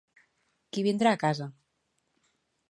Qui vindrà a casa?